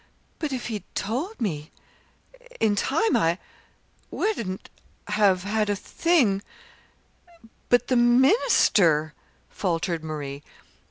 "But if he'd told me in time, I wouldn't have had a thing but the minister," faltered Marie.